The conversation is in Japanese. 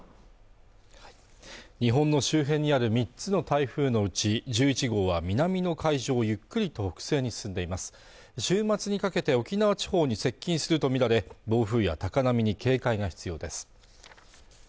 日本の周辺にある３つの台風のうち１１号は南の海上をゆっくりと北西に進んでいます週末にかけて沖縄地方に接近すると見られ暴風や高波に警戒が必要です